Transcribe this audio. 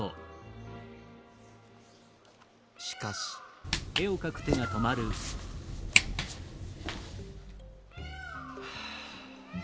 しかし。はあ。